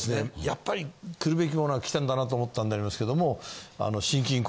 やっぱり来るべきものは来たんだなっと思ったんでありますけども。